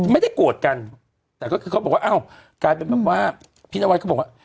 ไม่ได้โกรธกันแต่ก็คือเขาบอกว่าอ้าวกลายเป็นแบบว่าพี่นวัดเขาบอกว่า